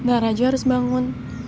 angrajo harus bangun